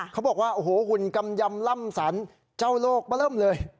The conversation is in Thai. เขาบอกว่าโอ้โหหุ่นกำยำล่ำสันเจ้าโลกมาเริ่มเลย